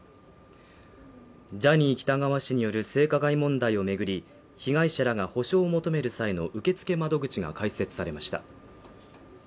ジャニー喜多川氏による性加害問題を巡り被害者らが補償を求める際の受付窓口が開設されました